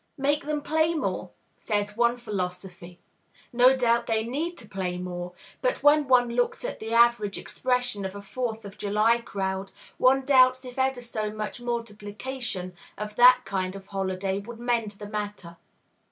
"Make them play more," says one philosophy. No doubt they need to "play more;" but, when one looks at the average expression of a Fourth of July crowd, one doubts if ever so much multiplication of that kind of holiday would mend the matter.